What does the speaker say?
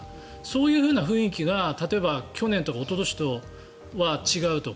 そういうふうな雰囲気が例えば去年とおととしとは違うと。